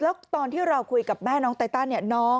แล้วตอนที่เราคุยกับแม่น้องไตตันเนี่ย